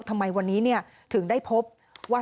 ทำไมวันนี้ถึงได้พบว่า